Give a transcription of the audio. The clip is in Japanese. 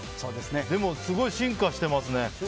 でもすごい進化していますね。